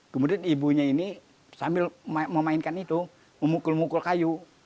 kemudian ibunya ini sambil memainkan itu memukul mukul kayu